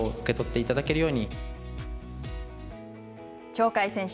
鳥海選手